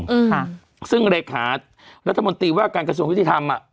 อืมซึ่งแรกขารัฐมนตรีว่าการกระทรวงวิทยาลัยธรรมอ่ะ